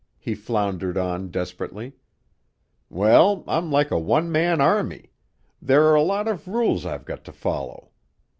he floundered on desperately. "Well, I'm like a one man army; there are a lot of rules I've got to follow.